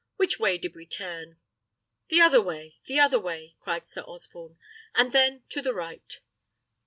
Which way did we turn?" "The other way! the other way!" cried Sir Osborne, "and then to the right."